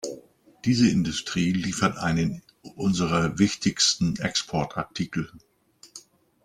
Diese Industrie liefert einen unserer wichtigsten Exportartikel.